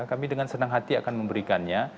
kami dengan senang hati akan memberikannya